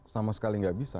sama sekali tidak bisa